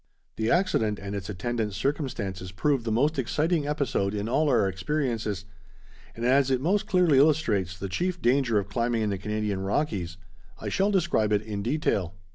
The accident and its attendant circumstances proved the most exciting episode in all our experiences, and as it most clearly illustrates the chief danger of climbing in the Canadian Rockies, I shall describe it in detail.